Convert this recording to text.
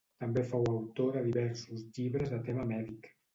També fou autor de diversos llibres de tema mèdic.